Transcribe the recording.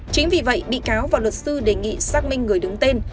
chính vì vậy bị cáo và luật sư đề nghị xác minh người đứng tên